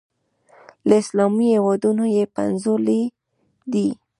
له اسلامي هېوادونو یې پنځولي دي.